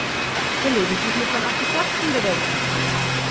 Gelegentlich muss man auch die Kosten bedenken.